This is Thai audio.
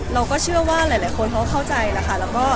เราก็เชื่อว่าหลายคนเขาเข้าใจแล้วค่ะ